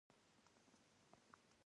د قلم نیول زده کړه غواړي.